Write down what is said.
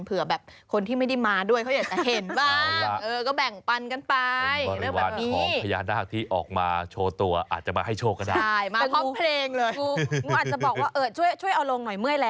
เผื่อแบบคนที่ไม่ได้มาด้วยเขาอยากจะเห็นบ้าง